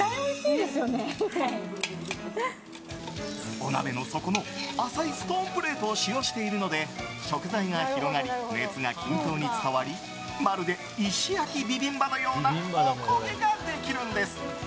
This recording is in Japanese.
お鍋の底の浅いストーンプレートを使用しているので、食材が広がり熱が均等に伝わりまるで石焼きビビンバのようなおこげができるんです。